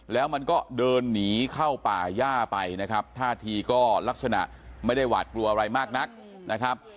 แล้วมันก็เดินหนีเข้าป่าย่าไปนะครับท่าทีก็ลักษณะไม่ได้หวาดกลัวอะไรมากนักนะครับ